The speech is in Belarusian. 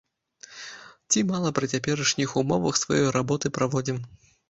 Ці мала пры цяперашніх умовах сваёй работы праводзім?